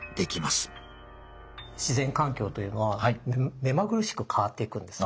自然環境というのは目まぐるしく変わっていくんですね。